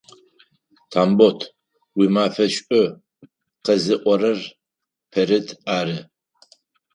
Тамбот, уимафэ шӏу, къэзыӏорэр Пэрыт ары!